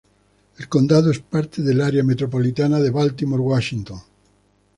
El condado es parte del Área metropolitana de Baltimore-Washington.